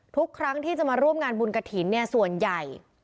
ทุกครั้งที่จะมาร่วมงานบุญกระถิ่นเนี่ยส่วนใหญ่